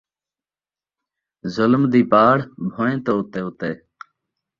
ظلم دی پاڑ بھوئیں توں اُتے اُتے